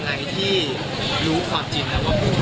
เป็นวันที่๑๕ธนวาคมแต่คุณผู้ชมค่ะกลายเป็นวันที่๑๕ธนวาคม